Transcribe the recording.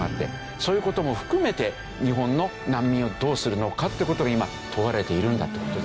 そういう事も含めて日本の難民をどうするのかっていう事が今問われているんだって事ですよね。